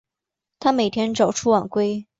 他每天早出晚归